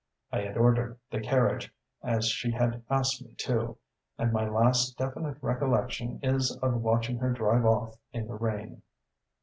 I had ordered the carriage, as she asked me to; and my last definite recollection is of watching her drive off in the rain....